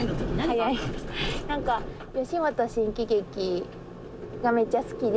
何か吉本新喜劇がめっちゃ好きで。